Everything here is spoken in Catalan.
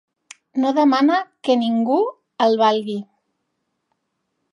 No demana que ningú el valgui.